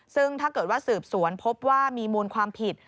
ซึ่งถ้าเกิดว่าสืบสวนพบว่ามีมูลความผิด